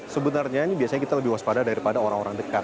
sebenarnya ini biasanya kita lebih waspada daripada orang orang dekat